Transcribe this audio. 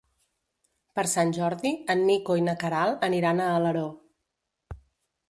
Per Sant Jordi en Nico i na Queralt aniran a Alaró.